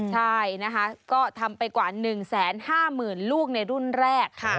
ใช่นะคะก็ทำไปกว่า๑๕๐๐๐ลูกในรุ่นแรก